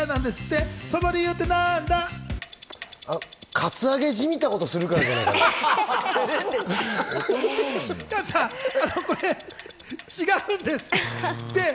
カツアゲじみたことするから違うんです。